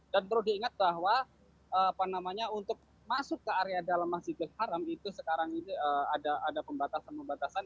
dan perlu diingat bahwa untuk masuk ke area dalam mas bilharam itu sekarang ini ada pembatasan pembatasan